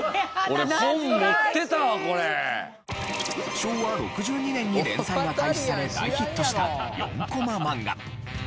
昭和６２年に連載が開始され大ヒットした４コマ漫画。